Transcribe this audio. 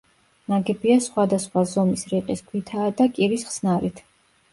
ნაგებია სხვადასხვა ზომის რიყის ქვითაა და კირის ხსნარით.